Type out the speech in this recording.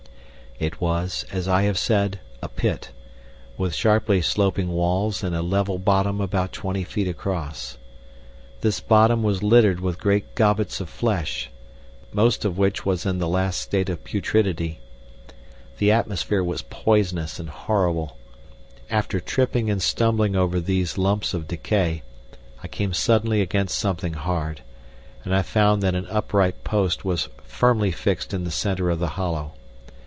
It was, as I have said, a pit, with sharply sloping walls and a level bottom about twenty feet across. This bottom was littered with great gobbets of flesh, most of which was in the last state of putridity. The atmosphere was poisonous and horrible. After tripping and stumbling over these lumps of decay, I came suddenly against something hard, and I found that an upright post was firmly fixed in the center of the hollow.